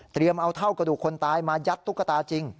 เอาเท่ากระดูกคนตายมายัดตุ๊กตาจริง